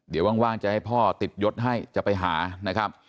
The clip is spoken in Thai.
เดี๋ยวว่างจะให้พ่อติดยศให้จะไปหานะครับ